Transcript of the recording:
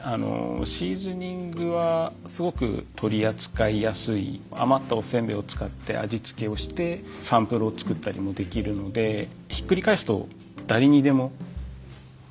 シーズニングはすごく取り扱いやすい余ったおせんべいを使って味付けをしてサンプルを作ったりもできるのでひっくり返すとはあ。